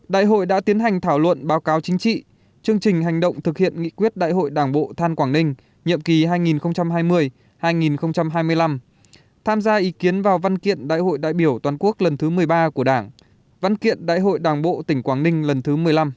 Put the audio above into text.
đại hội đã tiến hành thảo luận báo cáo chính trị chương trình hành động thực hiện nghị quyết đại hội đảng bộ than quảng ninh nhiệm kỳ hai nghìn hai mươi hai nghìn hai mươi năm tham gia ý kiến vào văn kiện đại hội đại biểu toàn quốc lần thứ một mươi ba của đảng văn kiện đại hội đảng bộ tỉnh quảng ninh lần thứ một mươi năm